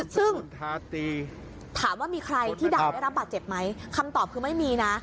ซึ่งถามว่ามีใครที่ด่านได้รับบาดเจ็บไหมคำตอบคือไม่มีนะ